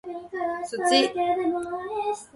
土